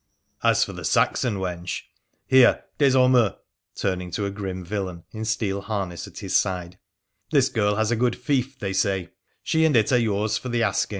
' As for the Saxon wench Here, Des Ormeux '— turning to a grim villain in steel harness at his side —' this girl has a good fief, they say : she and it are yours for the asking